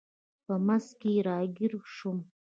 په منځ کې راګیر شوم.